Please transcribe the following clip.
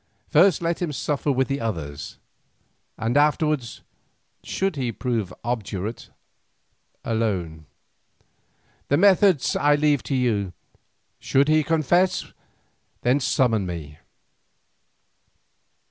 First let him suffer with the others, and afterwards, should he prove obdurate, alone. The method I leave to you. Should he confess, summon me."